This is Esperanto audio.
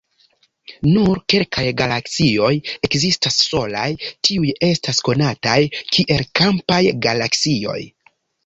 Nur kelkaj galaksioj ekzistas solaj; tiuj estas konataj kiel "kampaj galaksioj".